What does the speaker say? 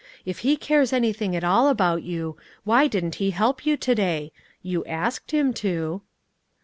If He cares anything at all about you, why didn't He help you to day? You asked Him to."